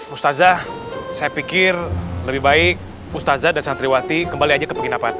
ustazah saya pikir lebih baik ustazah dan santriwati kembali aja ke penginapan